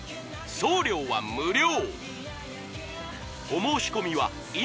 送料は無料！